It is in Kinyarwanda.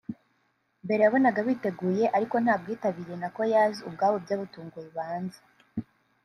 Mbere wabonaga biteguye ariko nta bwitabire na choirs ubwabo byabatunguye ubanza